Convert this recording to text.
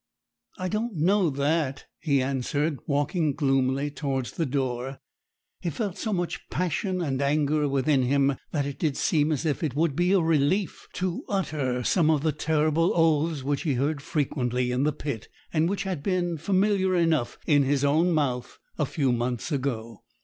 'I don't know that,' he answered, walking gloomily towards the door. He felt so much passion and anger within him, that it did seem as if it would be a relief to utter some of the terrible oaths which he heard frequently in the pit, and which had been familiar enough in his own mouth a few months ago.